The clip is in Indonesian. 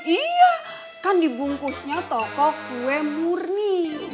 iya kan dibungkusnya toko kue murni